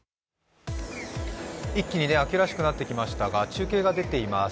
一気に秋らしくなってきましたが中継に出ています。